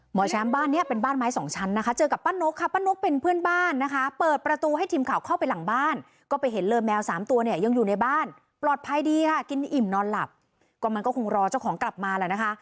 หมอแชมป์บ้านเนี้ยเป็นบ้านไม้สองชั้นนะคะเจอกับป้านกค่ะป้านกเป็นเพื่อนบ้านนะคะเปิดประตูให้ทีมข่าวเข้าไปหลังบ้านก็ไปเห็นเลยแมวสามตัวเนี่ยยังอยู่ในบ้านปลอดภัยดีค่ะกินอิ่มนอนหลับก็มันก็คงรอเจ้าของกลับมาแล้วนะคะ